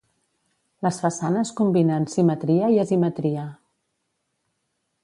Les façanes combinen simetria i asimetria.